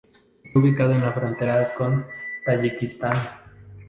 Está ubicado en la frontera con Tayikistán.